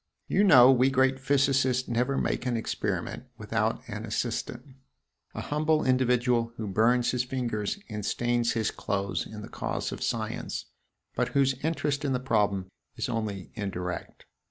You know we great physicists never make an experiment without an 'assistant' a humble individual who burns his fingers and stains his clothes in the cause of science, but whose interest in the problem is only indirect.